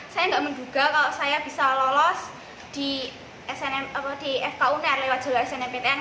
saya tidak menduga kalau saya bisa lolos di fkunr lewat jualan snmptn